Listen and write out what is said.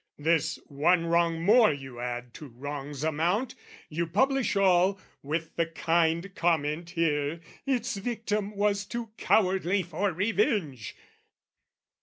"This one wrong more you add to wrong's amount, "You publish all, with the kind comment here, "'Its victim was too cowardly for revenge."'